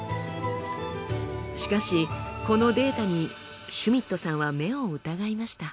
しかしこのデータにシュミットさんは目を疑いました。